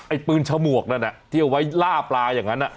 ไอ้ปืนฉมวกนั่นน่ะที่เอาไว้ล่าปลาอย่างนั้นน่ะ